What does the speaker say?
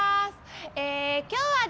え今日はですね